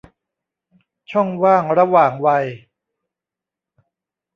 ช่องว่างระหว่างวัย